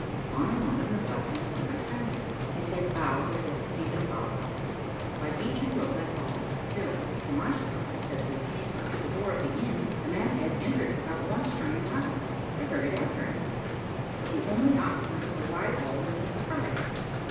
On and on in the blackness went my stranger, his head bowed as if in deep thought. By beach and road I followed, till, to my surprise, as we came up to the door of the inn, the man ahead entered without once turning round. I hurried after him, but the only occupant of the wide hall was the proprietor.